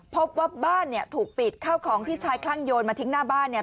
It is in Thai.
พบว่าบ้านเนี่ยถูกปิดข้าวของที่ชายคลั่งโยนมาทิ้งหน้าบ้านเนี่ย